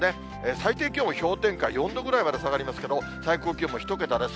最低気温も氷点下４度ぐらいまで下がりますけど、最高気温も１桁です。